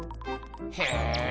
へえ。